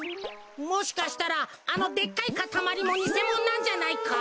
もしかしたらあのでっかいかたまりもにせもんなんじゃないか？